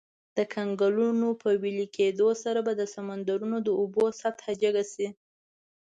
د کنګلونو په ویلي کیدو سره به د سمندرونو د اوبو سطحه جګه شي.